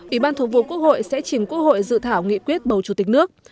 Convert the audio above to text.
ubth sẽ chỉnh quốc hội dự thảo nghị quyết bầu chủ tịch nước